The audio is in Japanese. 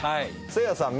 せいやさん